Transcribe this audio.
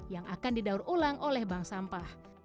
yang akan didaur ulang oleh bank sampah